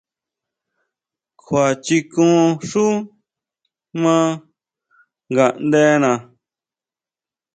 Kjua chikon xú maa ngaʼndena.